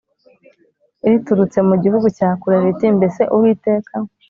riturutse mu gihugu cya kure riti Mbese Uwiteka